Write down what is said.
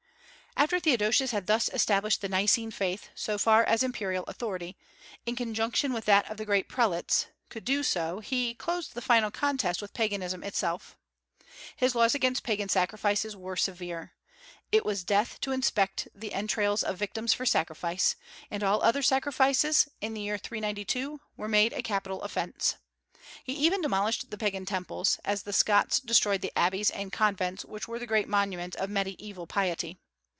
After Theodosius had thus established the Nicene faith, so far as imperial authority, in conjunction with that of the great prelates, could do so, he closed the final contest with Paganism itself. His laws against Pagan sacrifices were severe. It was death to inspect the entrails of victims for sacrifice; and all other sacrifices, in the year 392, were made a capital offence. He even demolished the Pagan temples, as the Scots destroyed the abbeys and convents which were the great monuments of Mediaeval piety.